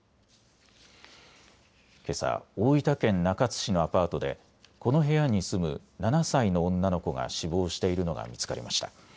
けさ大分県中津市のアパートでこの部屋に住む７歳の女の子が死亡しているのが見つかりました。